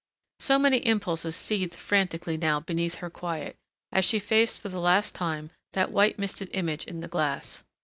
So many impulses seethed frantically now beneath her quiet, as she faced for the last time that white misted image in the glass.